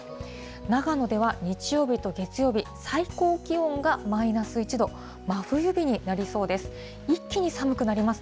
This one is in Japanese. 長野では日曜日と月曜日、最高気温がマイナス１度、真冬日になりそうです。